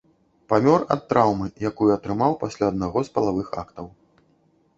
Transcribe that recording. Памёр ад траўмы, якую атрымаў пасля аднаго з палавых актаў.